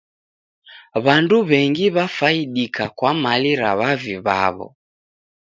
W'andu w'engi w'afaidika kwa mali ra w'avi w'aw'o.